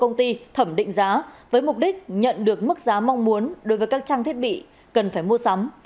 công ty thẩm định giá với mục đích nhận được mức giá mong muốn đối với các trang thiết bị cần phải mua sắm